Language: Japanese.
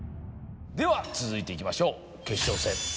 では続いていきましょう。